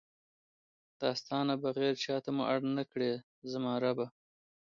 دا ستا نه بغیر چاته مو اړ نکړې زما ربه!